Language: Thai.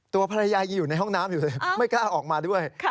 ตัวภรรยายังอยู่ในห้องน้ำอยู่เลยไม่กล้าออกมาด้วย